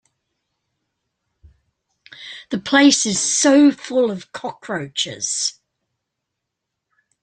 The place is so full of cockroaches.